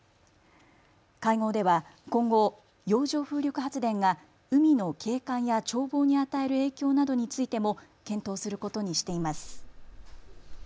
会合では今後、洋上風力発電が海の景観や眺望に与える影響などについても検討することにしています。